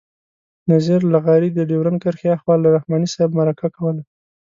نذیر لغاري د ډیورنډ کرښې آخوا له رحماني صاحب مرکه کوله.